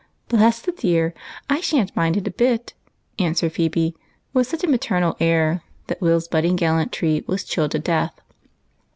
" Bless the dear ; I sha'n't mind it a bit," answered Phebe, with such a maternal air ^lat Will's budding gallantry was chilled to death.